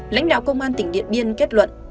lãnh đạo công an tỉnh điện biên kết luận